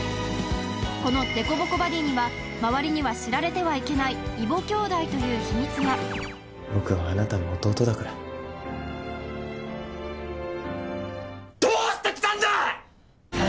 この凸凹バディには周りには知られてはいけない異母兄弟という秘密が僕はあなたの弟だからどうして来たんだ！